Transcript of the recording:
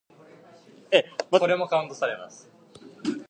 He grew up in Bengaluru, where he pursued his studies.